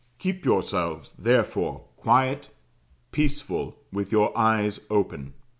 Keep yourselves, therefore, quiet, peaceful, with your eyes open.